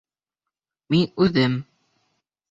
Мин үҙем...